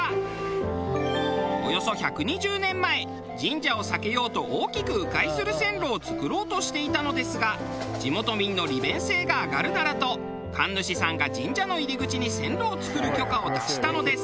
およそ１２０年前神社を避けようと大きく迂回する線路を造ろうとしていたのですが地元民の利便性が上がるならと神主さんが神社の入り口に線路を造る許可を出したのです。